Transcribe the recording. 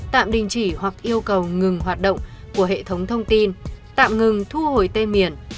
tạm đình chỉ hoặc yêu cầu ngừng hoạt động của hệ thống thông tin tạm ngừng thu hồi tên miền